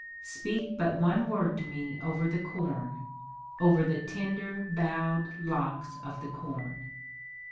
Speak but one word to me over the corn, Over the tender, bow*d locks of the corn.